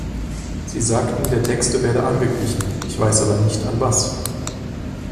Sie sagten, der Texte werde angeglichen, ich weiß aber nicht, an was.